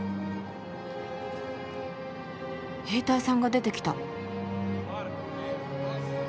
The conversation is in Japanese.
兵隊さんが出てきた。